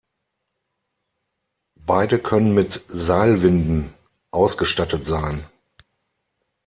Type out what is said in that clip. Beide können mit Seilwinden ausgestattet sein.